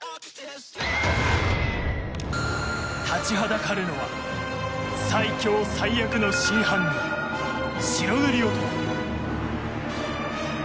立ちはだかるのは最凶最悪の真犯人スマイル。